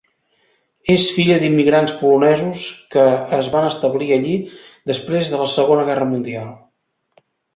És filla d'immigrants polonesos que es van establir allí després de la Segona Guerra Mundial.